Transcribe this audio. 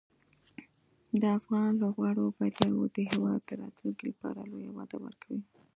د افغان لوبغاړو بریاوې د هېواد د راتلونکي لپاره لویه وده ورکوي.